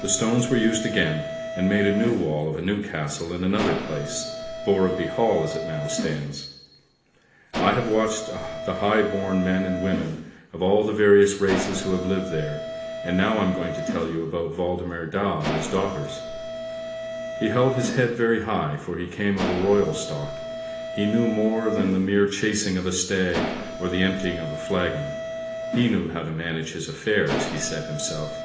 The stones were used again, and made a new wall of a new castle in another place, Borreby Hall as it now stands. " I have watched the high born men and women of all the i75 176 ANDERSEN'S FAIRY TALES various races who have lived there, and now I am going to tell you about Waldemar Daa and his daughters! " He held his head very high for he came of a royal stock! He knew more than the mere chasing of a stag, or the emptying of a flagon ; he knew how to manage his affairs, he said himself.